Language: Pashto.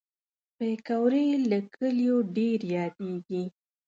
پکورې له کلیو ډېر یادېږي